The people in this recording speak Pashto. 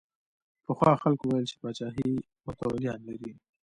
پخوا خلکو ویل چې پاچاهي متولیان لري.